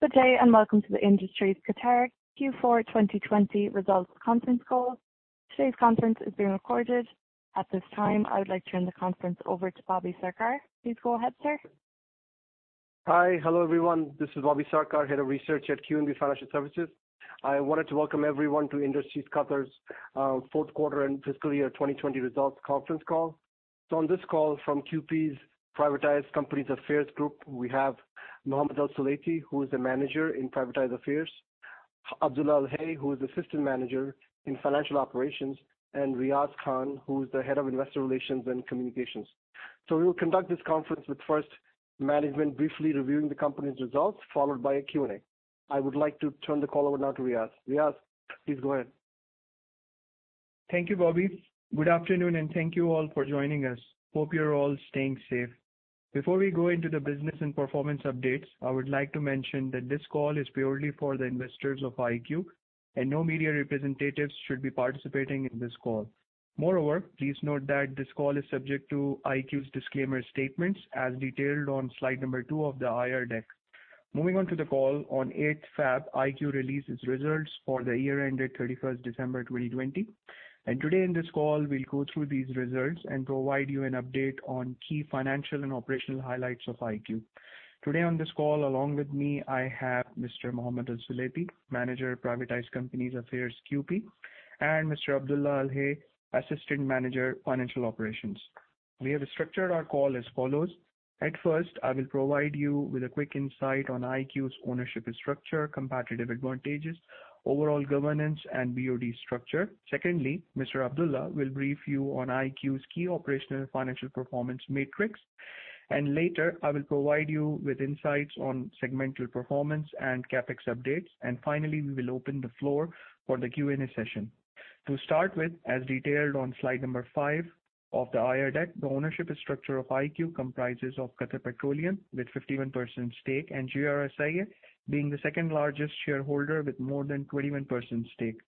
Good day and welcome to the Industries Qatar Q4 2020 results conference call. Today's conference is being recorded. At this time, I would like to turn the conference over to Bobby Sarkar. Please go ahead, sir. Hi. Hello, everyone. This is Bobby Sarkar, Head of Research at QNB Financial Services. I wanted to welcome everyone to Industries Qatar's fourth quarter and fiscal year 2020 results conference call. On this call from QP's Privatized Companies Affairs Group, we have Mohammed Al-Suleiti, who is the Manager in Privatized Affairs, Abdulla Al-Hay, who is Assistant Manager in Financial Operations, and Riaz Khan, who is the Head of Investor Relations and Communications. We will conduct this conference with first management briefly reviewing the company's results, followed by a Q&A. I would like to turn the call over now to Riaz. Riaz, please go ahead. Thank you, Bobby. Good afternoon, and thank you all for joining us. Hope you're all staying safe. Before we go into the business and performance updates, I would like to mention that this call is purely for the investors of IQ, and no media representatives should be participating in this call. Moreover, please note that this call is subject to IQ's disclaimer statements as detailed on slide number two of the IR deck. Moving on to the call, on 8th February, IQ released its results for the year ended 31st December 2020. Today in this call, we'll go through these results and provide you an update on key financial and operational highlights of IQ. Today on this call, along with me, I have Mr. Mohammed Al-Suleiti, Manager, Privatized Companies Affairs, QP, and Mr. Abdulla Al-Hay, Assistant Manager, Financial Operations. We have structured our call as follows. At first, I will provide you with a quick insight on IQ's ownership structure, competitive advantages, overall governance, and BoD structure. Secondly, Mr. Abdulla will brief you on IQ's key operational financial performance metrics, and later, I will provide you with insights on segmental performance and CapEx updates. Finally, we will open the floor for the Q&A session. To start with, as detailed on slide number five of the IR deck, the ownership structure of IQ comprises of Qatar Petroleum with 51% stake, and GRSIA being the second largest shareholder with more than 21% stake.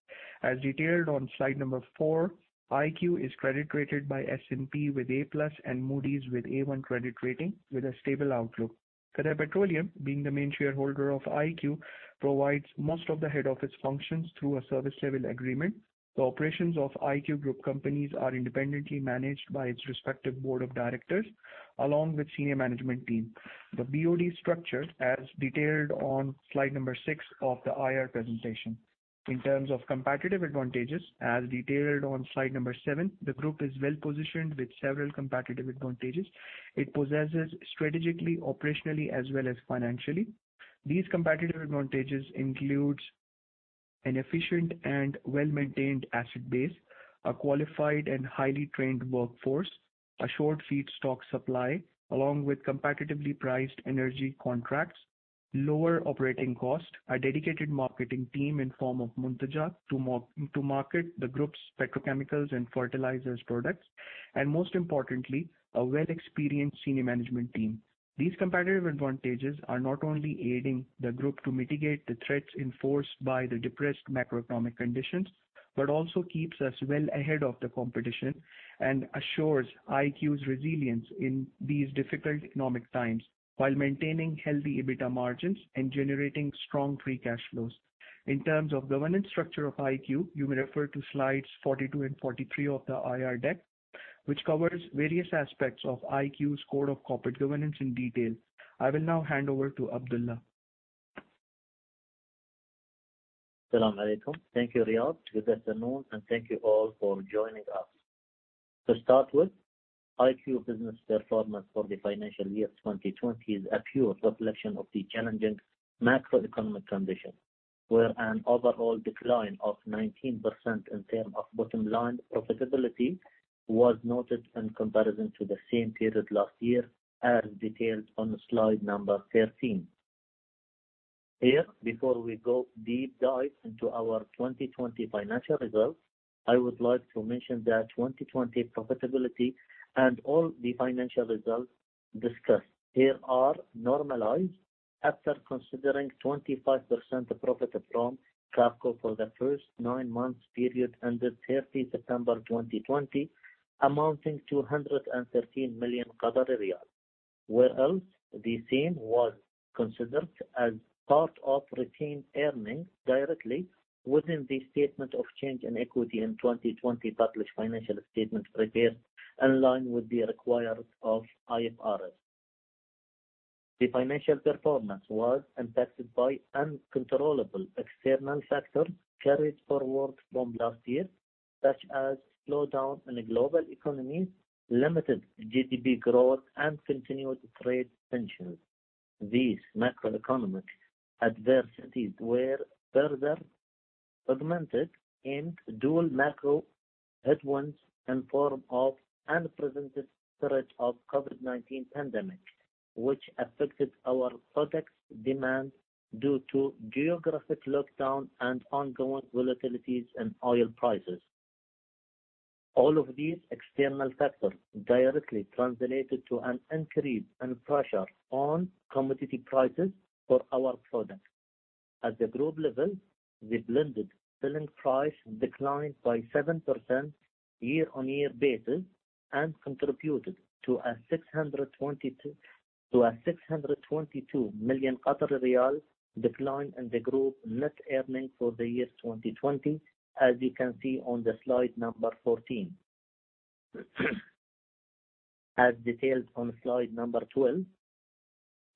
As detailed on slide number four, IQ is credit rated by S&P with A+ and Moody's with A1 credit rating with a stable outlook. Qatar Petroleum, being the main shareholder of IQ, provides most of the head office functions through a service level agreement. The operations of IQ Group companies are independently managed by its respective Board of Directors, along with senior management team. The BoD is structured as detailed on slide number six of the IR presentation. In terms of competitive advantages, as detailed on slide number seven, the Group is well-positioned with several competitive advantages it possesses strategically, operationally, as well as financially. These competitive advantages include an efficient and well-maintained asset base, a qualified and highly trained workforce, a short feedstock supply, along with competitively priced energy contracts, lower operating cost, a dedicated marketing team in form of Muntajat to market the Group's petrochemicals and fertilizers products, and most importantly, a well-experienced senior management team. These competitive advantages are not only aiding the Group to mitigate the threats enforced by the depressed macroeconomic conditions, but also keeps us well ahead of the competition and assures IQ's resilience in these difficult economic times while maintaining healthy EBITDA margins and generating strong free cash flows. In terms of governance structure of IQ, you may refer to slides 42 and 43 of the IR deck, which covers various aspects of IQ's code of corporate governance in detail. I will now hand over to Abdulla. Salam alaikum. Thank you, Riaz. Good afternoon, and thank you all for joining us. To start with, IQ business performance for the financial year 2020 is a pure reflection of the challenging macroeconomic conditions, where an overall decline of 19% in term of bottom line profitability was noted in comparison to the same period last year, as detailed on slide number 13. Here, before we go deep dive into our 2020 financial results, I would like to mention that 2020 profitability and all the financial results discussed here are normalized after considering 25% profit from QAFAC for the first nine months period ended 30 September 2020 amounting to 113 million Qatari riyal. Where else the same was considered as part of routine earnings directly within the statement of change in equity in 2020 published financial statement prepared in line with the requirements of IFRS. The financial performance was impacted by uncontrollable external factors carried forward from last year, such as slowdown in global economies, limited GDP growth, and continued trade tensions. These macroeconomic adversities were further augmented in dual macro headwinds in form of unprecedented threat of COVID-19 pandemic, which affected our products demand due to geographic lockdown and ongoing volatilities in oil prices. All of these external factors directly translated to an increase in pressure on commodity prices for our products. At the group level, the blended selling price declined by 7% year-on-year basis and contributed to a 622 million riyal decline in the group net earnings for the year 2020, as you can see on slide number 14. As detailed on slide number 12,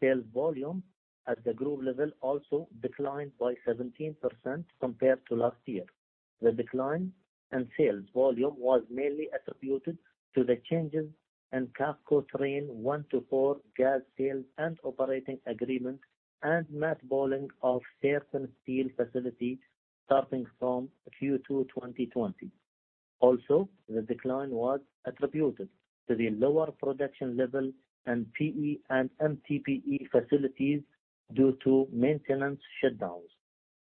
sales volume at the group level also declined by 17% compared to last year. The decline in sales volume was mainly attributed to the changes in QAFCO Train 1 to 4 gas sales and operating agreement and mothballing of certain steel facilities starting from Q2 2020. Also, the decline was attributed to the lower production level in PE and MTBE facilities due to maintenance shutdowns.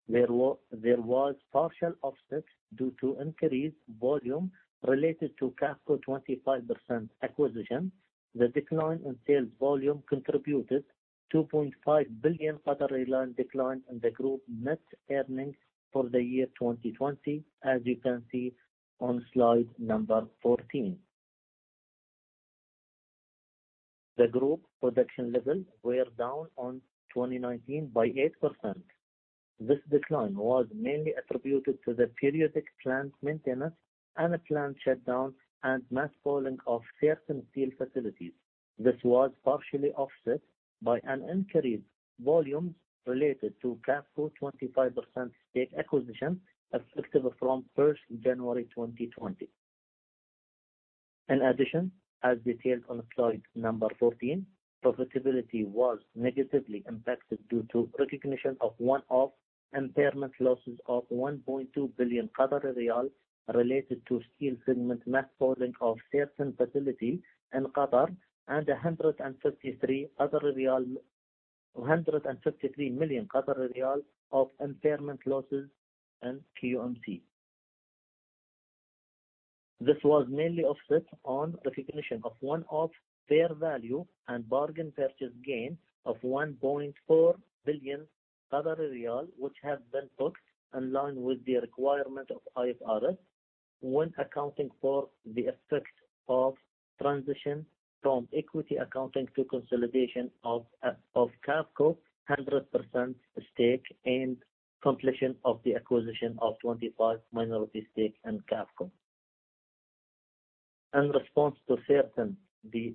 There was partial offset due to increased volume related to QAFCO 25% acquisition. The decline in sales volume contributed to 0.5 billion decline in the group net earnings for the year 2020, as you can see on slide number 14. The group production levels were down on 2019 by 8%. This decline was mainly attributed to the periodic plant maintenance, unplanned shutdowns, and mothballing of certain steel facilities. This was partially offset by an increased volumes related to QAFCO 25% stake acquisition effective from 1st January 2020. In addition, as detailed on slide number 14, profitability was negatively impacted due to recognition of one-off impairment losses of 1.2 billion riyal related to steel segment mothballing of certain facilities in Qatar and 153 million riyal of impairment losses in QMC. This was mainly offset on recognition of one-off fair value and bargain purchase gain of 1.4 billion Qatari riyal, which have been booked in line with the requirement of IFRS when accounting for the effect of transition from equity accounting to consolidation of QAFCO 100% stake and completion of the acquisition of 25 minority stake in QAFCO. In response to the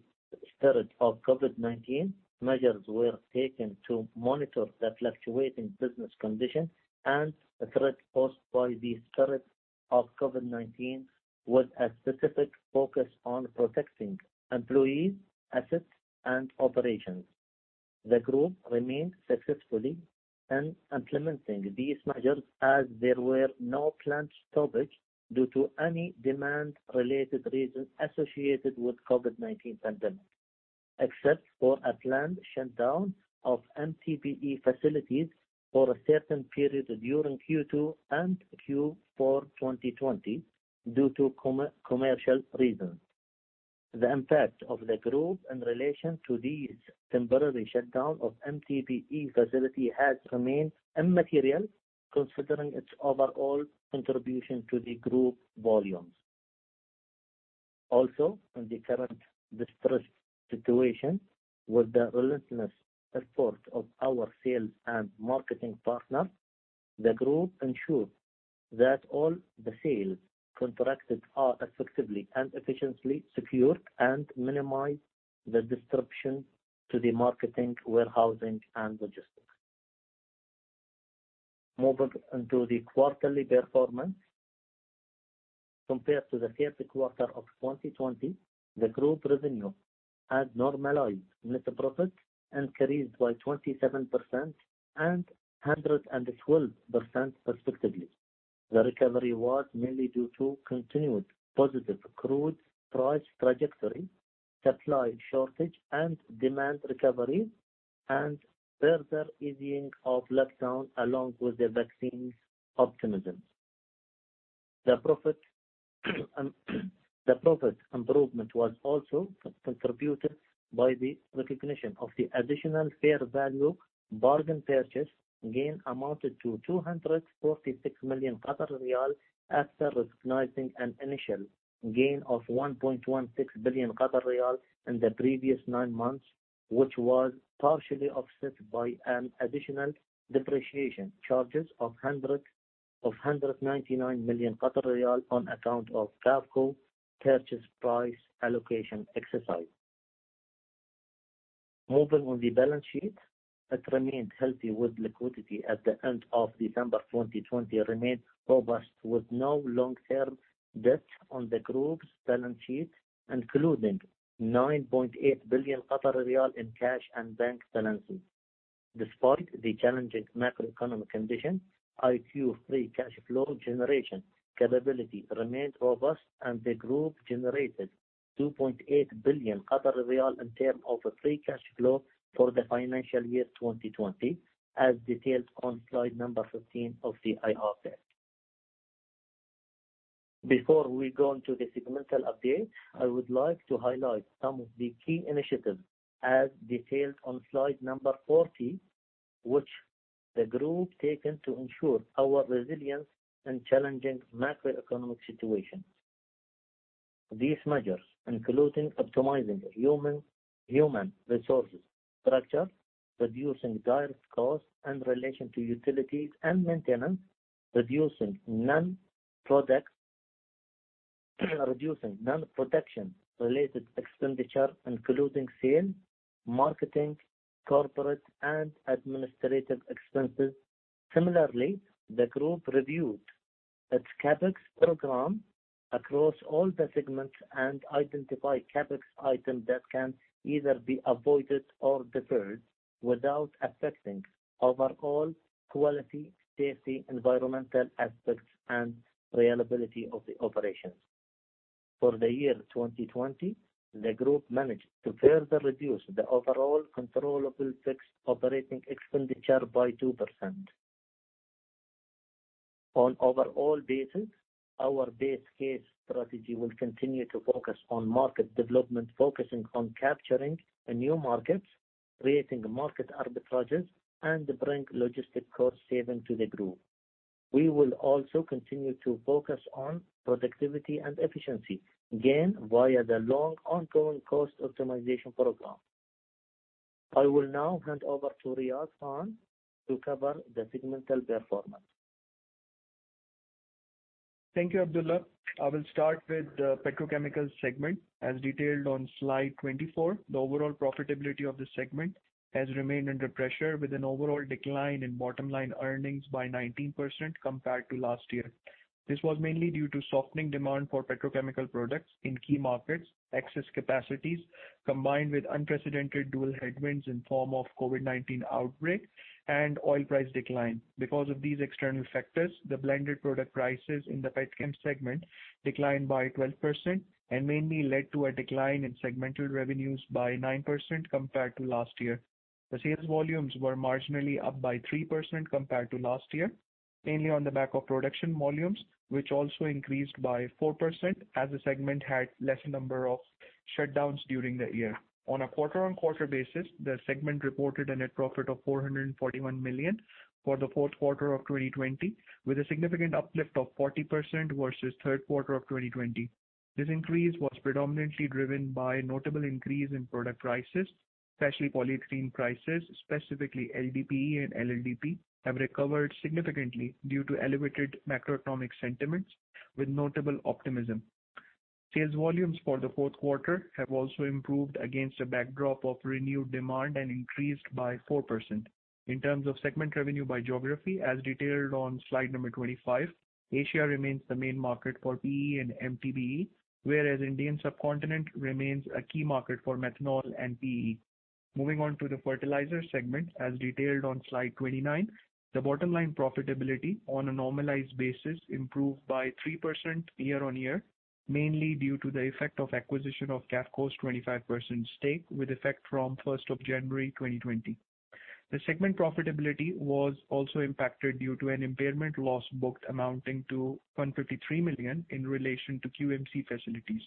spread of COVID-19, measures were taken to monitor the fluctuating business conditions and the threat posed by the spread of COVID-19 with a specific focus on protecting employees, assets, and operations. The group remained successfully in implementing these measures as there were no plant stoppage due to any demand-related reasons associated with COVID-19 pandemic, except for a planned shutdown of MTBE facilities for a certain period during Q2 and Q4 2020 due to commercial reasons. The impact of the group in relation to these temporary shutdown of MTBE facility has remained immaterial considering its overall contribution to the group volumes. In the current distressed situation, with the relentless support of our sales and marketing partners, the group ensured that all the sales contracted are effectively and efficiently secured and minimize the disruption to the marketing, warehousing, and logistics. Moving on to the quarterly performance. Compared to the third quarter of 2020, the group revenue and normalized net profit increased by 27% and 112% respectively. The recovery was mainly due to continued positive crude price trajectory, supply shortage, and demand recovery and further easing of lockdown along with the vaccines optimism. The profit improvement was also contributed by the recognition of the additional fair value bargain purchase gain amounted to 246 million riyal after recognizing an initial gain of 1.16 billion riyal in the previous nine months, which was partially offset by an additional depreciation charges of 199 million riyal on account of QAFCO purchase price allocation exercise. Moving on, the balance sheet remained healthy with liquidity at the end of December 2020 remained robust with no long-term debt on the group's balance sheet, including 9.8 billion riyal in cash and bank balances. Despite the challenging macroeconomic conditions, IQ free cash flow generation capability remained robust, and the group generated 2.8 billion riyal in term of free cash flow for the financial year 2020, as detailed on slide number 15 of the IR deck. Before we go into the segmental update, I would like to highlight some of the key initiatives as detailed on slide number 14, which the Group taken to ensure our resilience in challenging macroeconomic situations. These measures, including optimizing human resources structure, reducing direct costs in relation to utilities and maintenance, reducing non-production-related expenditure, including sale, marketing, corporate and administrative expenses. Similarly, the Group reviewed its CapEx program across all the segments and identified CapEx items that can either be avoided or deferred without affecting overall quality, safety, environmental aspects and reliability of the operations. For the year 2020, the Group managed to further reduce the overall controllable fixed operating expenditure by 2%. On overall basis, our base case strategy will continue to focus on market development, focusing on capturing new markets, creating market arbitrages, and bring logistic cost saving to the Group. We will also continue to focus on productivity and efficiency, again, via the long ongoing cost optimization program. I will now hand over to Riaz Khan to cover the segmental performance. Thank you, Abdulla. I will start with the petrochemicals segment as detailed on slide 24. The overall profitability of this segment has remained under pressure, with an overall decline in bottom-line earnings by 19% compared to last year. This was mainly due to softening demand for petrochemical products in key markets, excess capacities, combined with unprecedented dual headwinds in form of COVID-19 outbreak and oil price decline. Because of these external factors, the blended product prices in the petchem segment declined by 12% and mainly led to a decline in segmental revenues by 9% compared to last year. The sales volumes were marginally up by 3% compared to last year, mainly on the back of production volumes, which also increased by 4% as the segment had less number of shutdowns during the year. On a quarter-on-quarter basis, the segment reported a net profit of 441 million for the fourth quarter of 2020, with a significant uplift of 40% versus third quarter of 2020. This increase was predominantly driven by a notable increase in product prices, especially polyethylene prices, specifically LDPE and LLDPE, have recovered significantly due to elevated macroeconomic sentiments with notable optimism. Sales volumes for the fourth quarter have also improved against a backdrop of renewed demand and increased by 4%. In terms of segment revenue by geography, as detailed on slide number 25, Asia remains the main market for PE and MTBE, whereas Indian subcontinent remains a key market for methanol and PE. Moving on to the fertilizer segment, as detailed on slide 29, the bottom-line profitability on a normalized basis improved by 3% year-on-year, mainly due to the effect of acquisition of QAFCO's 25% stake with effect from 1st of January 2020. The segment profitability was also impacted due to an impairment loss booked amounting to 153 million in relation to QMC facilities.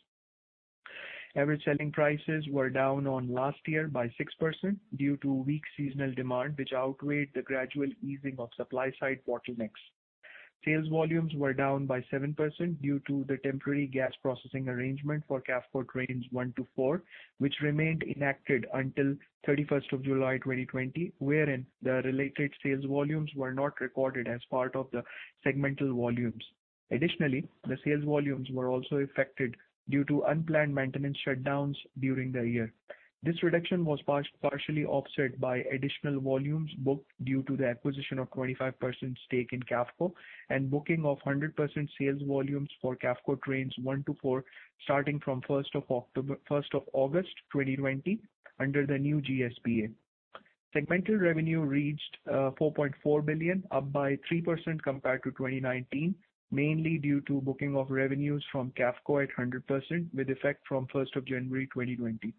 Average selling prices were down on last year by 6% due to weak seasonal demand, which outweighed the gradual easing of supply-side bottlenecks. Sales volumes were down by 7% due to the temporary gas processing arrangement for QAFCO trains one to four, which remained enacted until 31st of July 2020, wherein the related sales volumes were not recorded as part of the segmental volumes. Additionally, the sales volumes were also affected due to unplanned maintenance shutdowns during the year. This reduction was partially offset by additional volumes booked due to the acquisition of 25% stake in QAFCO and booking of 100% sales volumes for QAFCO trains one to four, starting from 1st of August 2020 under the new GSPA. Segmental revenue reached 4.4 billion, up by 3% compared to 2019, mainly due to booking of revenues from QAFCO at 100%, with effect from 1st of January 2020.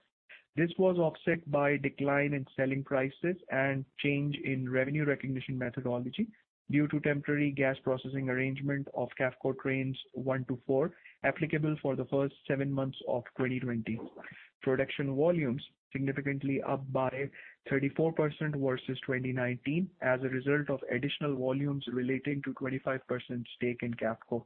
This was offset by decline in selling prices and change in revenue recognition methodology due to temporary gas processing arrangement of QAFCO trains one to four, applicable for the first seven months of 2020. Production volumes significantly up by 34% versus 2019 as a result of additional volumes relating to 25% stake in QAFCO.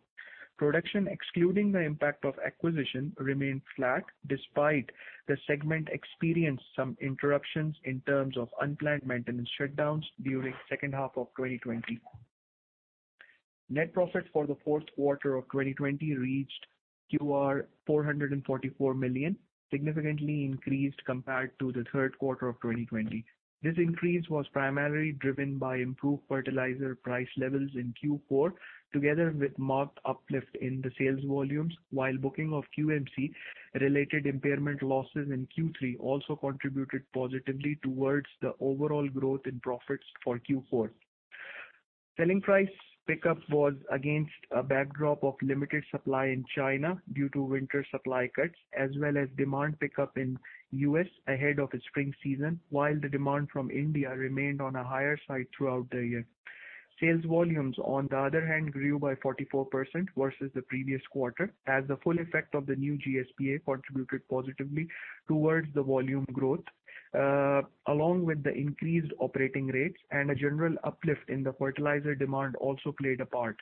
Production excluding the impact of acquisition remained flat despite the segment experienced some interruptions in terms of unplanned maintenance shutdowns during second half of 2020. Net profit for the fourth quarter of 2020 reached 444 million, significantly increased compared to the third quarter of 2020. This increase was primarily driven by improved fertilizer price levels in Q4, together with marked uplift in the sales volumes, while booking of QMC-related impairment losses in Q3 also contributed positively towards the overall growth in profits for Q4. Selling price pickup was against a backdrop of limited supply in China due to winter supply cuts, as well as demand pickup in U.S. ahead of spring season, while the demand from India remained on a higher side throughout the year. Sales volumes, on the other hand, grew by 44% versus the previous quarter as the full effect of the new GSPA contributed positively towards the volume growth, along with the increased operating rates and a general uplift in the fertilizer demand also played a part.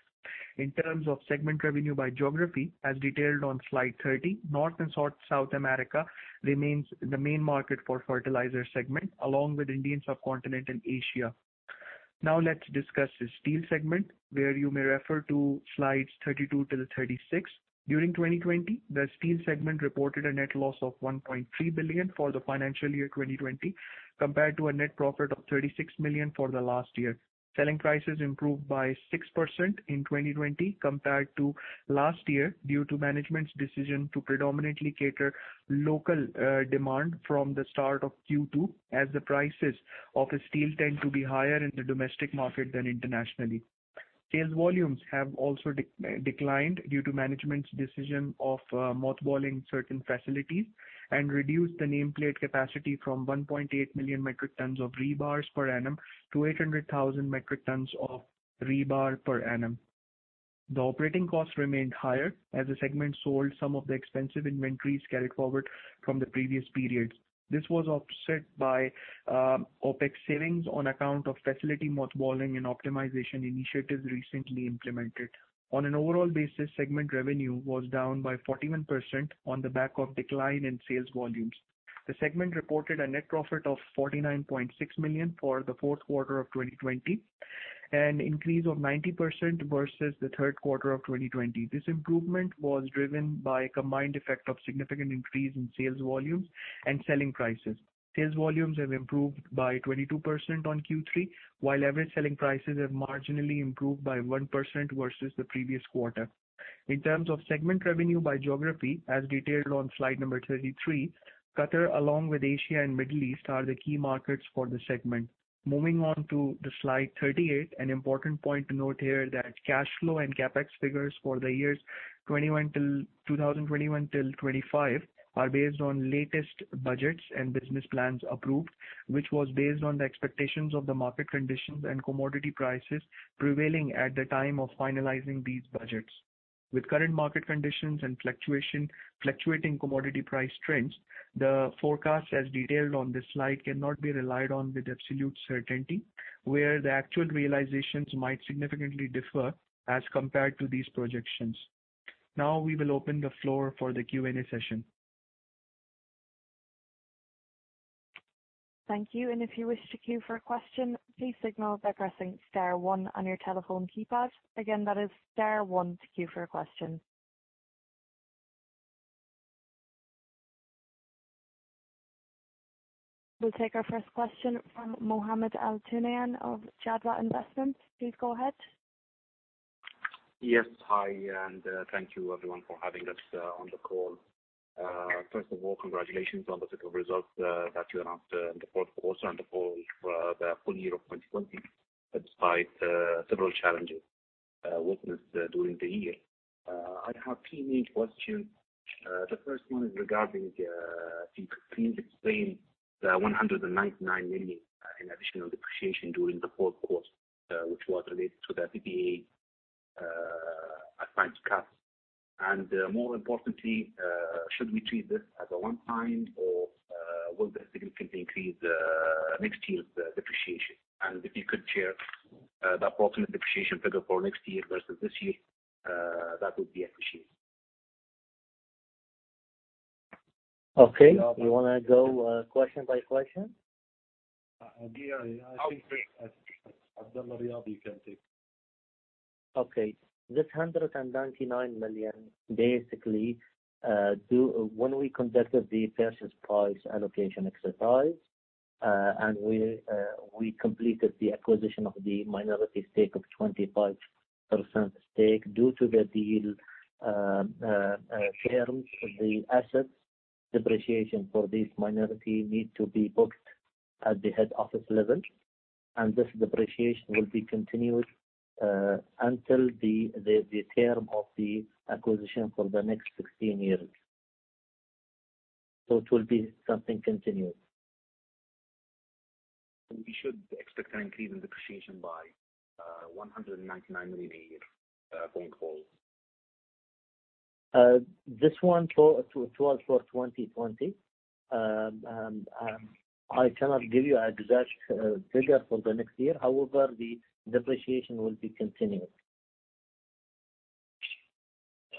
In terms of segment revenue by geography, as detailed on slide 30, North and South America remains the main market for fertilizer segment, along with Indian subcontinent and Asia. Now let's discuss the steel segment, where you may refer to slides 32 till 36. During 2020, the steel segment reported a net loss of 1.3 billion for the financial year 2020, compared to a net profit of 36 million for the last year. Selling prices improved by 6% in 2020 compared to last year, due to management's decision to predominantly cater local demand from the start of Q2, as the prices of steel tend to be higher in the domestic market than internationally. Sales volumes have also declined due to management's decision of mothballing certain facilities and reduced the nameplate capacity from 1.8 million metric tons of rebars per annum to 800,000 metric tons of rebar per annum. The operating cost remained higher as the segment sold some of the expensive inventories carried forward from the previous periods. This was offset by OpEx savings on account of facility mothballing and optimization initiatives recently implemented. On an overall basis, segment revenue was down by 41% on the back of decline in sales volumes. The segment reported a net profit of 49.6 million for the fourth quarter of 2020, an increase of 90% versus the third quarter of 2020. This improvement was driven by a combined effect of significant increase in sales volumes and selling prices. Sales volumes have improved by 22% on Q3, while average selling prices have marginally improved by 1% versus the previous quarter. In terms of segment revenue by geography, as detailed on slide number 33, Qatar, along with Asia and Middle East, are the key markets for this segment. Moving on to the slide 38, an important point to note here that cash flow and CapEx figures for the years 2021 till 2025 are based on latest budgets and business plans approved, which was based on the expectations of the market conditions and commodity prices prevailing at the time of finalizing these budgets. With current market conditions and fluctuating commodity price trends, the forecast as detailed on this slide cannot be relied on with absolute certainty, where the actual realizations might significantly differ as compared to these projections. Now we will open the floor for the Q&A session. Thank you. If you wish to queue for a question, please signal by pressing star one on your telephone keypad. Again, that is star one to queue for a question. We'll take our first question from Mohammed Al-Tunayan of Jadwa Investment. Please go ahead. Yes, hi. Thank you everyone for having us on the call. First of all, congratulations on the set of results that you announced in the fourth quarter and the full year of 2020, despite several challenges witnessed during the year. I have three main questions. The first one is regarding, if you could please explain the 199 million in additional depreciation during the fourth quarter, which was related to the PPA assigned to QATHEM. More importantly, should we treat this as a one-time, or will this significantly increase next year's depreciation? If you could share the approximate depreciation figure for next year versus this year, that would be appreciated. Okay. You wanna go question by question? Yeah. Okay, great. Abdulla Al-Hay can take. Okay. This $199 million, basically, when we conducted the purchase price allocation exercise, we completed the acquisition of the minority stake of 25% stake due to the deal terms of the assets, depreciation for this minority need to be booked at the head office level. This depreciation will be continued until the term of the acquisition for the next 16 years. It will be something continued. We should expect an increase in depreciation by $199 million going forward. This one, it was for 2020. I cannot give you an exact figure for the next year. However, the depreciation will be continued.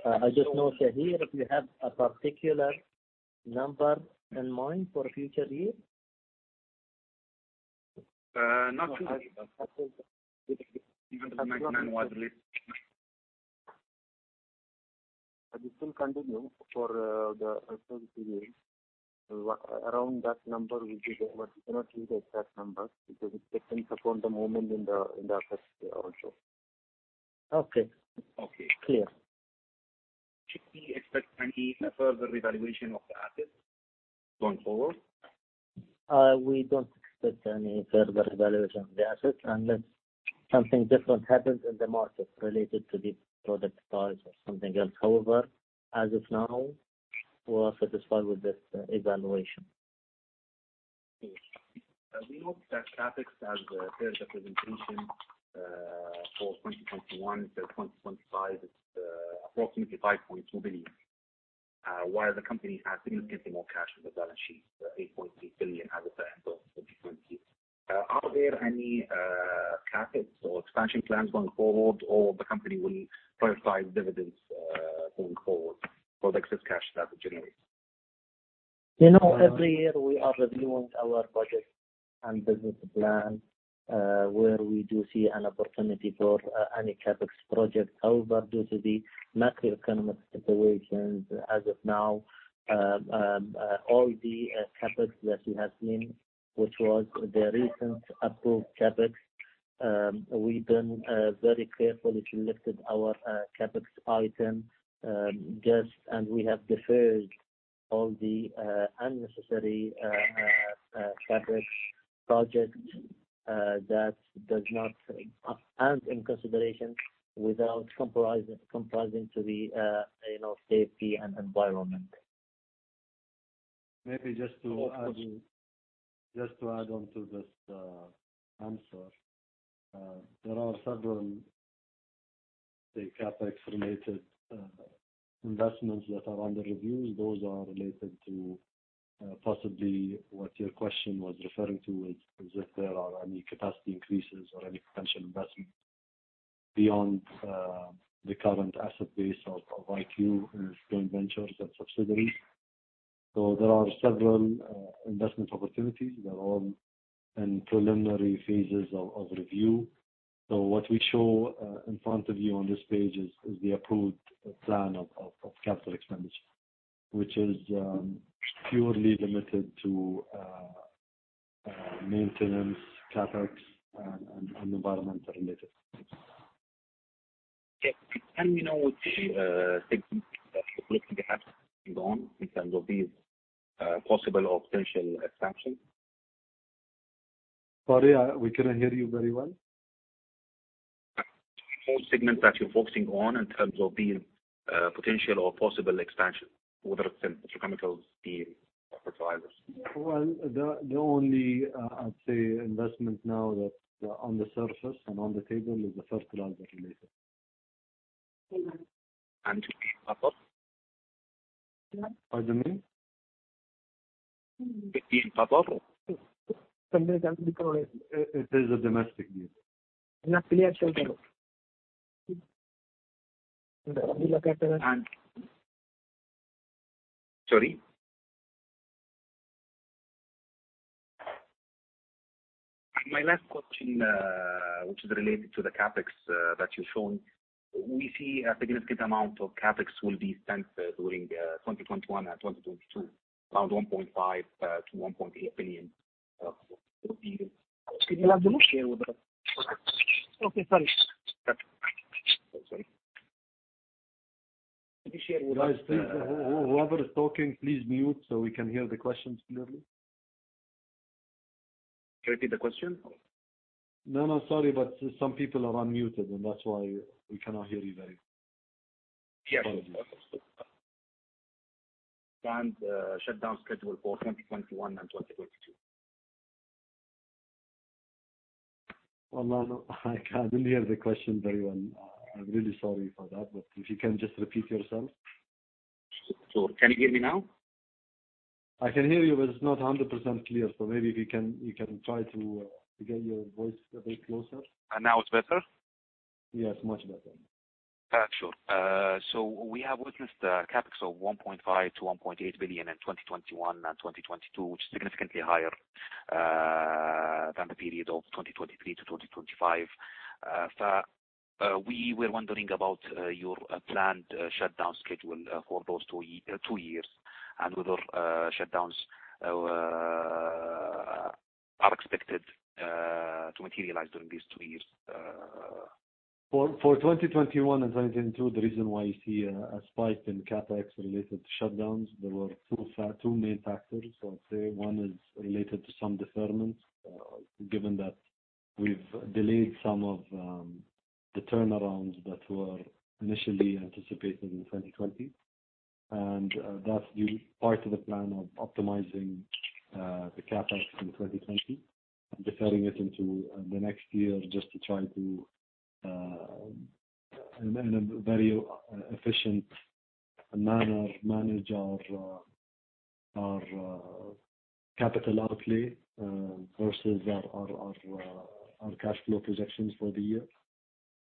I just note here, if you have a particular number in mind for future years? Not really, but. I think. QAR 199 was related. It will continue for the next three years. Around that number, we cannot give the exact numbers because it depends upon the movement in the assets also. Okay. Okay. Clear. Should we expect any further revaluation of the assets going forward? We don't expect any further revaluation of the assets unless something different happens in the market related to the product price or something else. However, as of now, we are satisfied with this evaluation. Okay. We note that CapEx as per the presentation for 2021 to 2025 is approximately $5.2 billion, while the company has significantly more cash on the balance sheet, $8.3 billion as of the end of 2020. Are there any CapEx or expansion plans going forward, or the company will prioritize dividends going forward for the excess cash that it generates? You know, every year we are reviewing our budget and business plan, where we do see an opportunity for any CapEx project. However, due to the macroeconomic situations as of now, all the CapEx that you have seen, which was the recent approved CapEx, we've been very carefully selected our CapEx item. We have deferred all the unnecessary CapEx projects that does not have in consideration without compromising to the safety and environment. Maybe just to add on to this answer. There are several, say, CapEx-related investments that are under review. Those are related to possibly what your question was referring to is if there are any capacity increases or any potential investments beyond the current asset base of IQ and joint ventures and subsidiaries. There are several investment opportunities that are in preliminary phases of review. What we show in front of you on this page is the approved plan of Capital Expenditure, which is purely limited to maintenance, CapEx and environmental-related. Okay. Can we know which segment that you're looking at going in terms of these possible or potential expansion? Sorry, we couldn't hear you very well. Which segment that you're focusing on in terms of the potential or possible expansion, whether it's in petrochemicals, the fertilizers? Well, the only, I'd say, investment now that on the surface and on the table is the fertilizer-related. To be proper? Pardon me. To be proper. It is a domestic use. Not clear, sorry. Sorry? My last question, which is related to the CapEx that you're showing. We see a significant amount of CapEx will be spent during 2021 and 2022, around 1.5 billion-1.8 billion. Could you share with us? Okay, sorry. Sorry. Could you share with us. Guys, please. Whoever is talking, please mute so we can hear the questions clearly. Can you repeat the question? No, no, sorry, but some people are unmuted, and that's why we cannot hear you very clearly. Yes. Planned shutdown schedule for 2021 and 2022. Well, no, I can't really hear the question very well. I'm really sorry for that. If you can just repeat yourself. Sure. Can you hear me now? I can hear you, but it's not 100% clear. Maybe if you can try to get your voice a bit closer. Now it's better? Yes, much better. Sure. We have witnessed a CapEx of 1.5 billion-1.8 billion in 2021 and 2022, which is significantly higher than the period of 2023 to 2025. We were wondering about your planned shutdown schedule for those two years and whether shutdowns are expected to materialize during these two years. For 2021 and 2022, the reason why you see a spike in CapEx-related shutdowns, there were two main factors. I'd say one is related to some deferments, given that we've delayed some of the turnarounds that were initially anticipated in 2020. That's due part to the plan of optimizing the CapEx in 2020 and deferring it into the next year just to try to, in a very efficient manner, manage our capital outlay versus our cash flow projections for the year.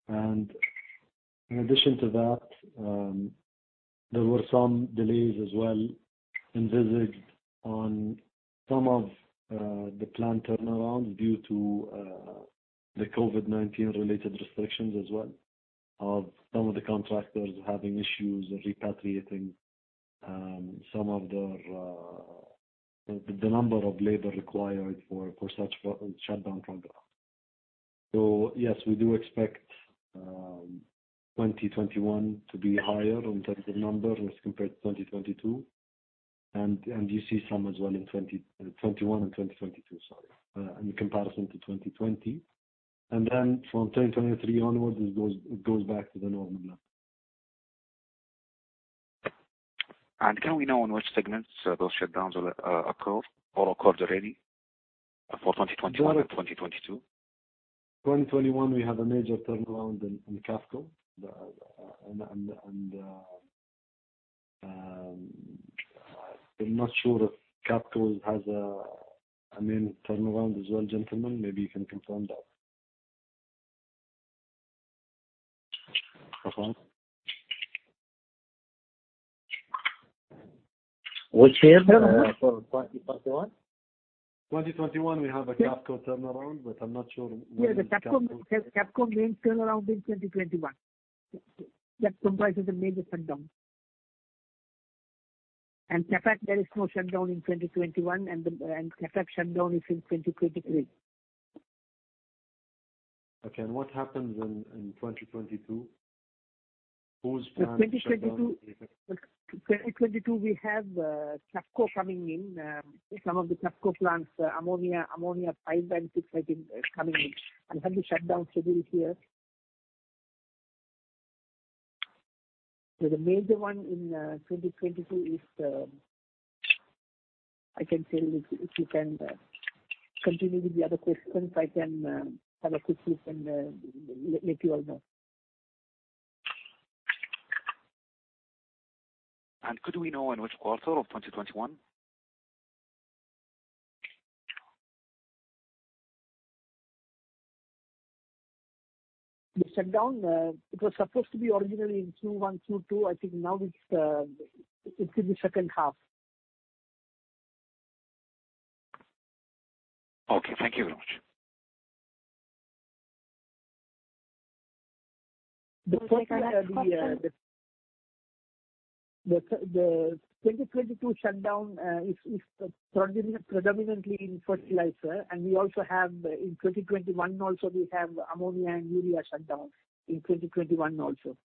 In addition to that, there were some delays as well envisaged on some of the plant turnaround due to the COVID-19-related restrictions as well of some of the contractors having issues repatriating the number of labor required for such a shutdown program. Yes, we do expect 2021 to be higher in terms of number as compared to 2022. You see some as well in 2021 and 2022, sorry, in comparison to 2020. Then from 2023 onwards, it goes back to the normal level. Can we know in which segments those shutdowns will occur or occurred already for 2021 and 2022? 2021, we have a major turnaround in QAFCO. I'm not sure if QAFCO has a main turnaround as well. Gentlemen, maybe you can confirm that. Confirm. Which year, sir? For 2021? 2021, we have a QAFCO turnaround, but I'm not sure when in QAFCO. Yes, QAFCO main turnaround is 2021. That comprises a major shutdown. QAFAC, there is no shutdown in 2021. QAFAC shutdown is in 2023. Okay. What happens in 2022? Whose plant shutdowns- 2022, we have QAFCO coming in. Some of the QAFCO plants, ammonia 5 and 6, I think, are coming in. I have the shutdown schedule here. The major one in 2022 is I can tell if you can continue with the other questions, I can have a quick look and let you all know. Could we know in which quarter of 2021? The shutdown, it was supposed to be originally in Q1, Q2, I think now it could be second half. Okay. Thank you very much. The 2022 shutdown is predominantly in fertilizer, and in 2021 also, we have ammonia and urea shutdown, in 2021 also.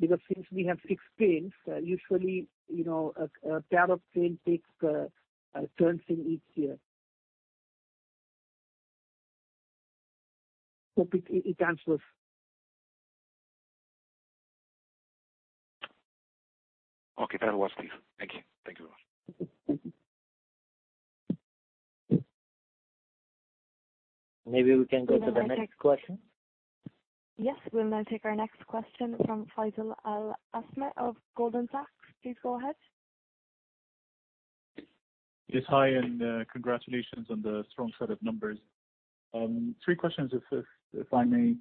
Since we have six trains, usually, a pair of train takes turns in each year. It answers. Okay, that was clear. Thank you. Thank you very much. Maybe we can go to the next question. Yes, we will now take our next question from Faisal Al-Asmari of Goldman Sachs. Please go ahead. Yes, hi. Congratulations on the strong set of numbers. Three questions, if I may.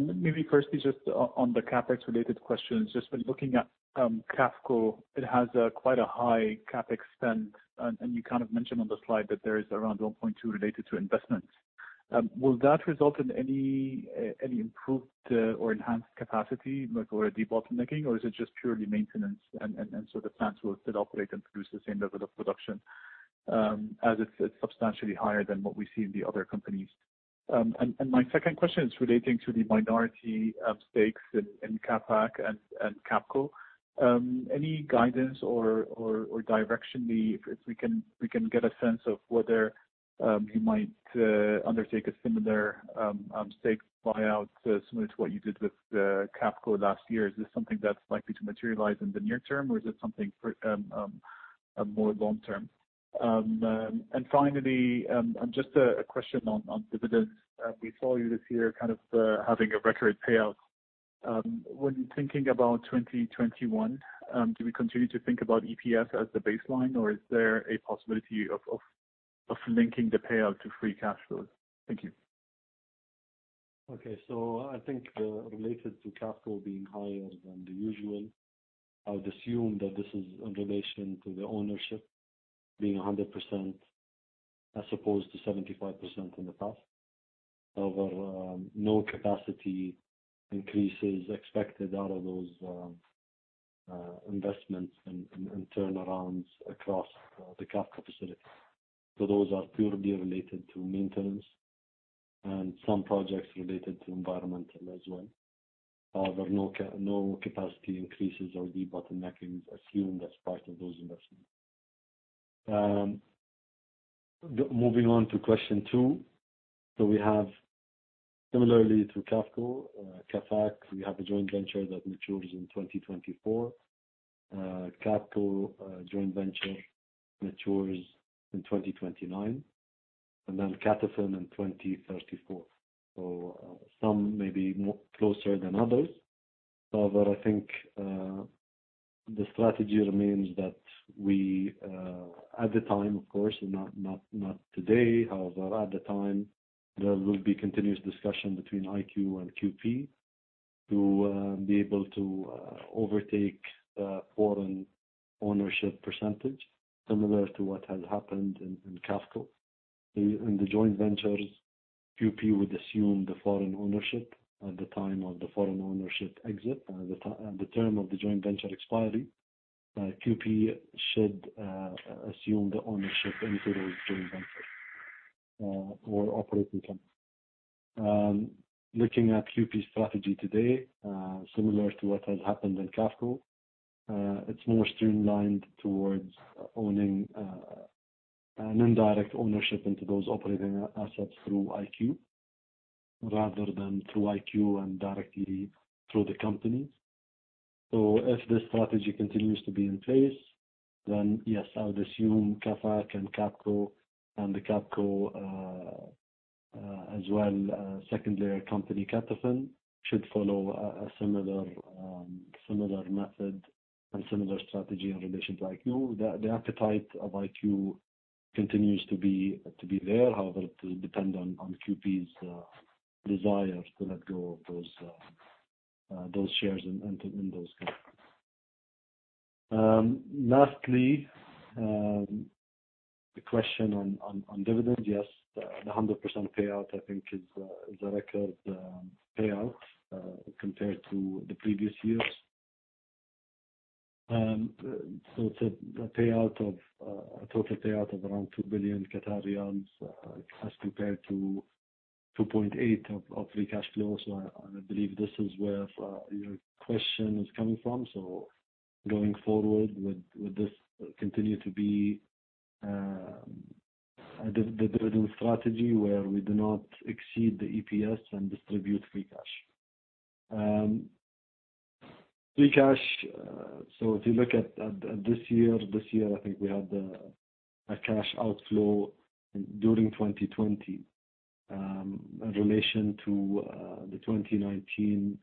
Maybe firstly, just on the CapEx related questions, just when looking at QAFCO, it has quite a high CapEx spend, and you kind of mentioned on the slide that there is around 1.2 related to investments. Will that result in any improved or enhanced capacity, like or a debottlenecking, or is it just purely maintenance and the plants will still operate and produce the same level of production? As it is substantially higher than what we see in the other companies. My second question is relating to the minority stakes in QAFAC and QAFCO. Any guidance or direction we can get a sense of whether you might undertake a similar stake buyout similar to what you did with QAFCO last year. Is this something that is likely to materialize in the near term, or is it something more long term? Finally, just a question on dividends. We saw you this year kind of having a record payout. When thinking about 2021, do we continue to think about EPS as the baseline, or is there a possibility of linking the payout to free cash flow? Thank you. Okay. I think related to QAFCO being higher than the usual, I would assume that this is in relation to the ownership being 100% as opposed to 75% in the past. However, no capacity increases expected out of those investments and turnarounds across the QAFCO facility. Those are purely related to maintenance and some projects related to environmental as well. However, no capacity increases or debottleneckings assumed as part of those investments. Moving on to question two. We have similarly to QAFCO, QAFAC, we have a joint venture that matures in 2024. QAFCO joint venture matures in 2029, and then Qatofin in 2034. Some may be closer than others. However, I think, the strategy remains that we, at the time, of course, not today, however, at the time, there will be continuous discussion between IQ and QP to be able to overtake foreign ownership percentage, similar to what has happened in QAFCO. In the joint ventures, QP would assume the foreign ownership at the time of the foreign ownership exit. At the term of the joint venture expiry, QP should assume the ownership into those joint ventures or operating companies. Looking at QP's strategy today, similar to what has happened in QAFCO, it's more streamlined towards owning an indirect ownership into those operating assets through IQ. Rather than through IQ and directly through the companies. If this strategy continues to be in place, then yes, I would assume QAFAC and QAPCO, and the QAPCO as well, second layer company, Qatofin, should follow a similar method and similar strategy in relation to IQ. The appetite of IQ continues to be there. However, it will depend on QP's desire to let go of those shares and in those companies. Lastly, the question on dividend. Yes, the 100% payout, I think is a record payout compared to the previous years. It's a total payout of around 2 billion riyals as compared to 2.8 of free cash flow. I believe this is where your question is coming from. Going forward, would this continue to be the dividend strategy where we do not exceed the EPS and distribute free cash? Free cash, if you look at this year, I think we had a cash outflow during 2020. In relation to the 2019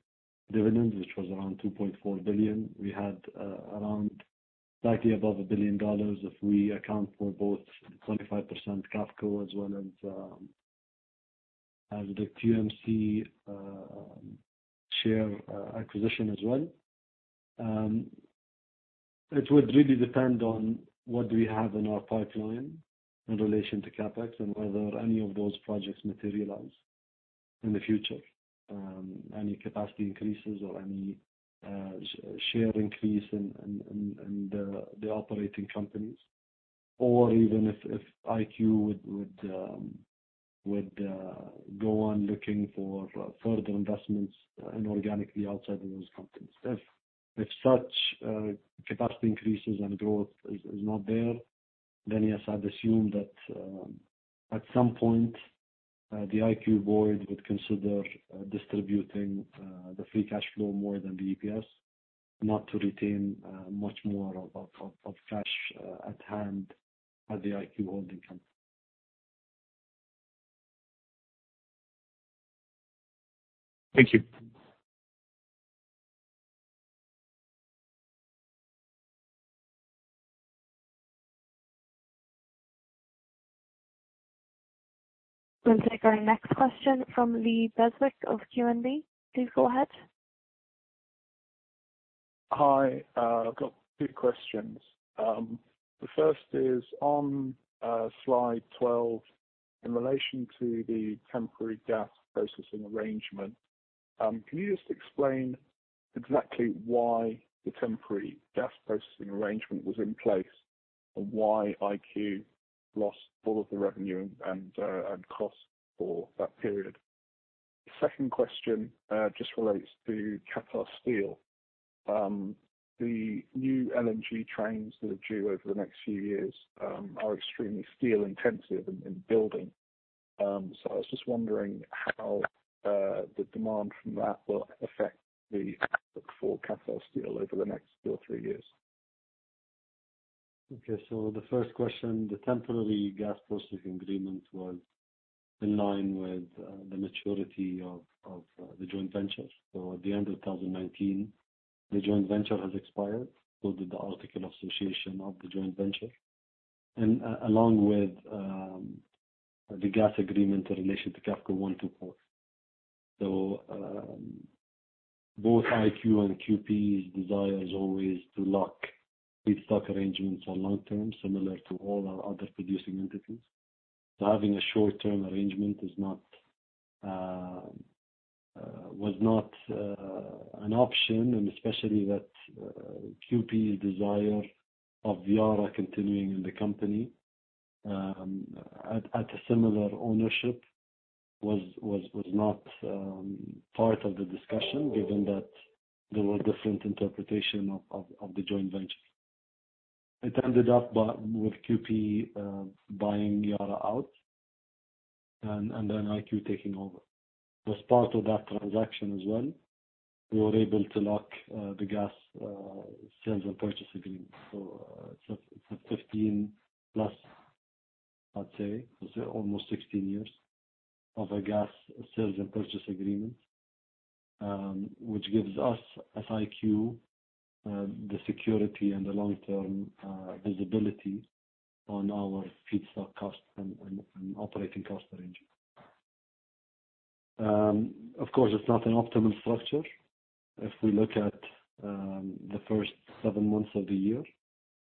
dividends, which was around 2.4 billion, we had around slightly above $1 billion if we account for both 25% QAPCO as well as the QMC share acquisition as well. It would really depend on what we have in our pipeline in relation to CapEx and whether any of those projects materialize in the future. Any capacity increases or any share increase in the operating companies. Or even if IQ would go on looking for further investments inorganically outside of those companies. If such capacity increases and growth is not there, then yes, I would assume that at some point, the IQ Board would consider distributing the free cash flow more than the EPS, not to retain much more of cash at hand at the IQ holding company. Thank you. We'll take our next question from Lee Beswick of QNB. Please go ahead. Hi. I've got two questions. The first is on slide 12, in relation to the temporary gas processing arrangement. Can you just explain exactly why the temporary gas processing arrangement was in place, and why IQ lost all of the revenue and cost for that period? The second question just relates to Qatar Steel. The new LNG trains that are due over the next few years are extremely steel-intensive in building. I was just wondering how the demand from that will affect the outlook for Qatar Steel over the two or three years. Okay. The first question, the temporary gas processing agreement was in line with the maturity of the joint venture. At the end of 2019, the joint venture has expired, so did the articles of association of the joint venture. Along with the gas agreement in relation to Qatofin 1 and 2, 4. Both IQ and QP's desire is always to lock feedstock arrangements on long-term, similar to all our other producing entities. Having a short-term arrangement was not an option, and especially that QP's desire of Yara continuing in the company at a similar ownership was not part of the discussion, given that there were different interpretation of the joint venture. It ended up with QP buying Yara out and then IQ taking over. As part of that transaction as well, we were able to lock the Gas Sales and Purchase Agreement. It's a 15 plus, I'd say, almost 16 years of a gas sales and purchase agreement, which gives us, as IQ, the security and the long-term visibility on our feedstock cost and operating cost arrangement. Of course, it's not an optimum structure. If we look at the first seven months of the year.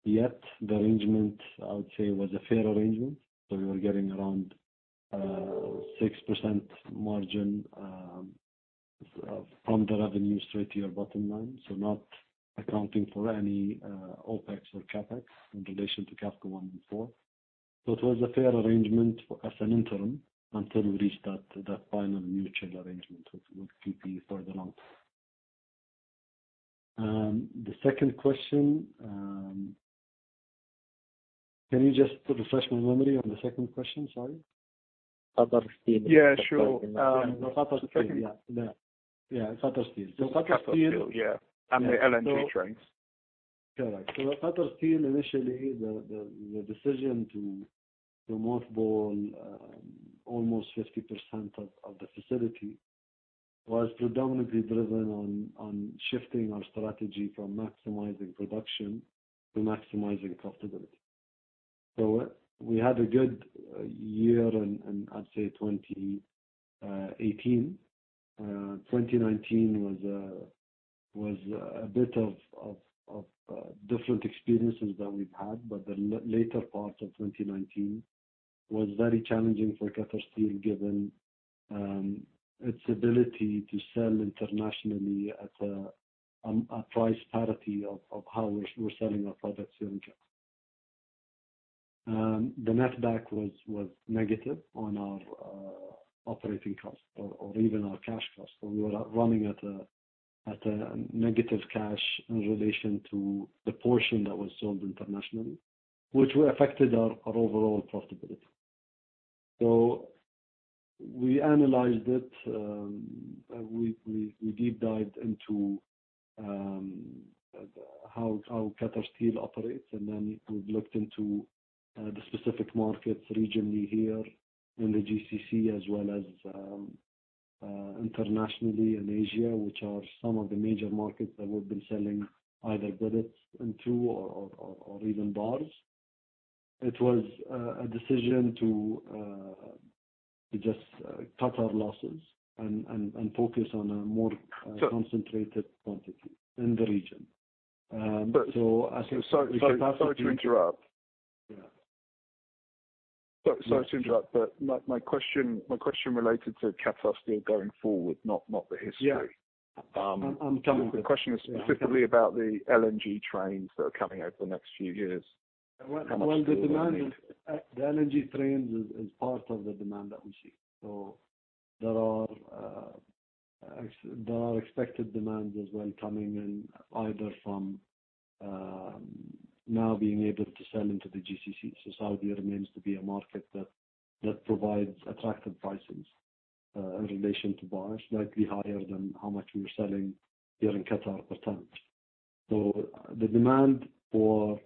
Yet the arrangement, I would say, was a fair arrangement. We were getting around 6% margin from the revenue straight to your bottom line. Not accounting for any OpEx or CapEx in relation to Qatco 1 and 4. It was a fair arrangement as an interim until we reached that final mutual arrangement with QP further on. The second question. Can you just refresh my memory on the second question? Sorry. Qatar Steel. Yeah, sure. Qatar Steel. Yeah. Qatar Steel, yeah. The LNG trains. Correct. Qatar Steel, initially, the decision to mothball almost 50% of the facility was predominantly driven on shifting our strategy from maximizing production to maximizing profitability. We had a good year in, I'd say, 2018. 2019 was a bit of different experiences than we've had. The later part of 2019 was very challenging for Qatar Steel, given its ability to sell internationally at a price parity of how we're selling our products here in Qatar. The net back was negative on our operating cost or even our cash cost. We were running at a negative cash in relation to the portion that was sold internationally, which affected our overall profitability. We analyzed it, we deep dived into how Qatar Steel operates, we've looked into the specific markets regionally here in the GCC as well as internationally in Asia, which are some of the major markets that we've been selling either billets into or even bars. It was a decision to just cut our losses and focus on a more concentrated quantity in the region. I think if you. Sorry to interrupt. Yeah. Sorry to interrupt, my question related to Qatar Steel going forward, not the history. Yeah. I'm coming to it. The question is specifically about the LNG trains that are coming over the next few years. How much steel they'll need. Well, the LNG trains is part of the demand that we see. There are expected demands as well coming in either from now being able to sell into the GCC. Saudi remains to be a market that provides attractive prices, in relation to bars, likely higher than how much we were selling here in Qatar per ton. The demand for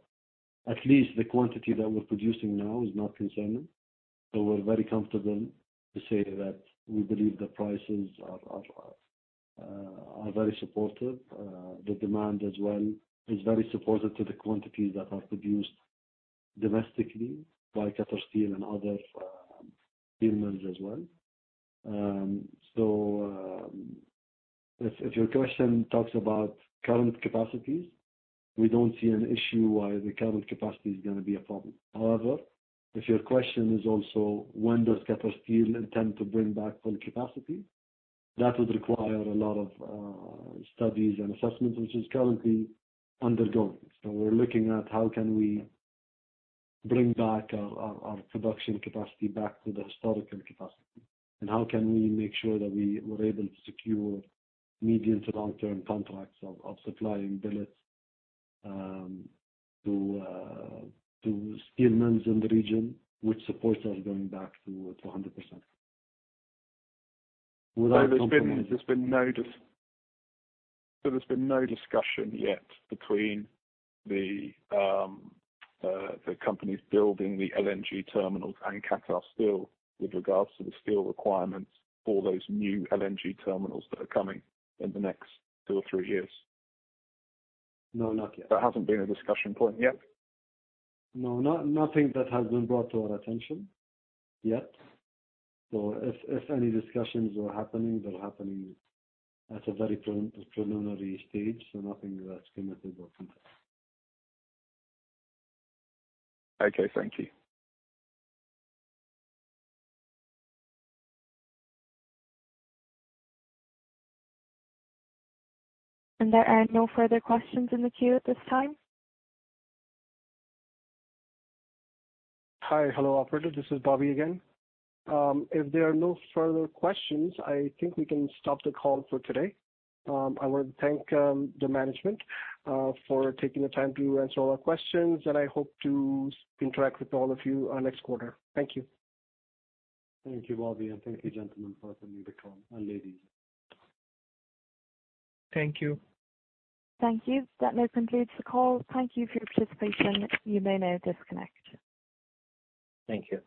at least the quantity that we're producing now is not concerning. We're very comfortable to say that we believe the prices are very supportive. The demand as well is very supportive to the quantities that are produced domestically by Qatar Steel and other steel mills as well. If your question talks about current capacities, we don't see an issue why the current capacity is going to be a problem. If your question is also when does Qatar Steel intend to bring back full capacity, that would require a lot of studies and assessments, which is currently undergoing. We're looking at how can we bring back our production capacity back to the historical capacity, and how can we make sure that we're able to secure medium to long-term contracts of supplying billets to steel mills in the region, which supports us going back to 100%. Would that answer your question? There's been no discussion yet between the companies building the LNG terminals and Qatar Steel with regards to the steel requirements for those new LNG terminals that are coming in the next two or three years? No, not yet. That hasn't been a discussion point yet? No, nothing that has been brought to our attention yet. If any discussions are happening, they're happening at a very preliminary stage. Nothing that's committed or confirmed. Okay. Thank you. There are no further questions in the queue at this time. Hi. Hello, operator. This is Bobby again. If there are no further questions, I think we can stop the call for today. I want to thank the management for taking the time to answer all our questions, and I hope to interact with all of you next quarter. Thank you. Thank you, Bobby, and thank you, gentlemen, for attending the call, and ladies. Thank you. Thank you. That now concludes the call. Thank you for your participation. You may now disconnect. Thank you.